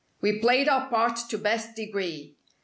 We played our part to best degree.